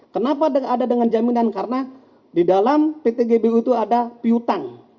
kenapa ada dengan jaminan karena di dalam pt gbu itu ada piutang